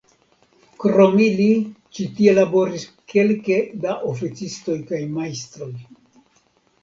Krom ili ĉi tie laboris kelke da oficistoj kaj majstroj.